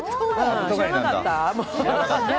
知らなかった？